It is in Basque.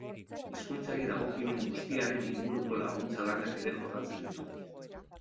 Hizkuntzari dagokion guztiaren inguruko laguntza lanak ere jorratzen ditu.